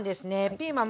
ピーマン